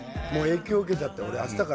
影響受けちゃって。